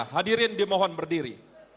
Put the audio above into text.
hadirin dimohon berdiri